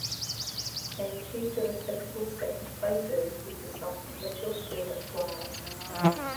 They achieved a respectable second places with the song "Let Your Spirit Fly".